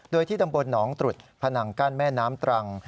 โดยที่ตำบลหนองตรุษผนังกั้นแม่น้ำตรัง